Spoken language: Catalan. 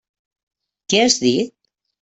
Què has dit?